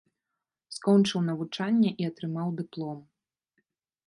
Скончыў навучанне і атрымаў дыплом.